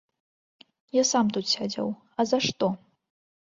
Я сам тут сядзеў, а за што?